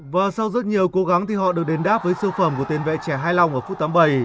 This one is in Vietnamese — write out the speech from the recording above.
và sau rất nhiều cố gắng thì họ được đền đáp với sư phẩm của tên vẽ trẻ hai long ở phút tám bảy